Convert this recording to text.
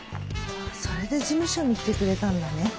それで事務所に来てくれたんだね。